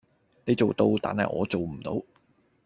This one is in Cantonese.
你做到，但係我做唔到